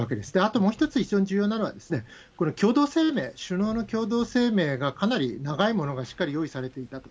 後、もう一つ非常に重要なのは、この共同声明、首脳の共同声明がかなり長いものがしっかり用意されていたと。